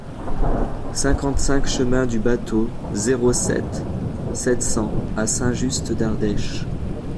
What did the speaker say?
cinquante-cinq chemin du Bâteau, zéro sept, sept cents à Saint-Just-d'Ardèche